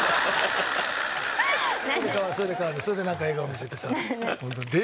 それでなんか笑顔見せてさ。